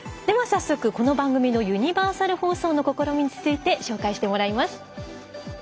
では早速、この番組のユニバーサル放送の試みについて紹介してもらいます。